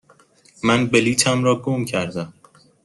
من بلیطم را گم کردم.